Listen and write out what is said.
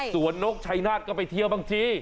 นกชัยนาฏก็ไปเที่ยวบางที